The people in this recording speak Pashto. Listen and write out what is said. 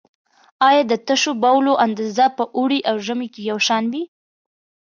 آیا د تشو بولو اندازه په اوړي او ژمي کې یو شان وي؟